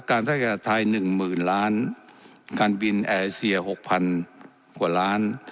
การทักษะไทยหนึ่งหมื่นล้านการบินแอร์เอเซียหกพันกว่าล้าน